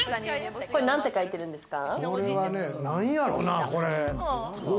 これなんて書いてるんですか？